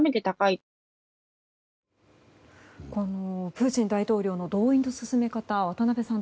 プーチン大統領の動員の進め方渡辺さん